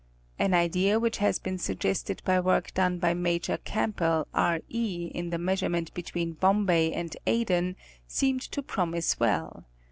An idea which had been sug gested by work done by Major Campbell, R. E. in the measure ment between Bombay and Aden, seemed to promise well.